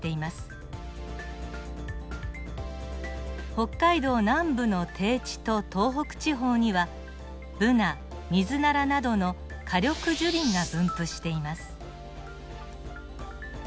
北海道南部の低地と東北地方にはブナミズナラなどの夏緑樹林が分布しています。